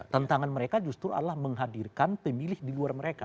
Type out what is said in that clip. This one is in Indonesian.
tantangan mereka justru adalah menghadirkan pemilih di luar mereka